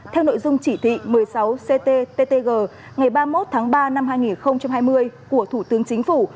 theo nội dung chỉ thị một mươi sáu cttg ngày ba mươi một tháng ba năm hai nghìn hai mươi của thủ tướng chính phủ